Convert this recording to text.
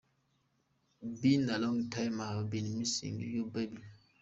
Been a long time, I've been missing your body.